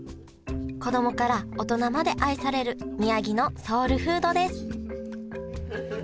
子供から大人まで愛される宮城のソウルフードです